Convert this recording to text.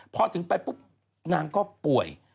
พอถึงไปปุ๊บนางก็ป่วย